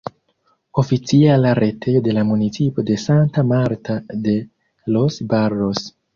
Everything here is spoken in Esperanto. Oficiala retejo de la municipo de Santa Marta de los Barros.